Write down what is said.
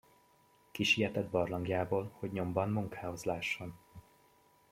Kisietett barlangjából, hogy nyomban munkához lásson.